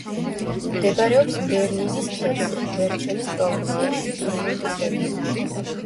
მდებარეობს ბერნინის ქედზე, ვერჩელის პროვინციაში, პიემონტის რეგიონში.